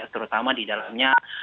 terutama di dalamnya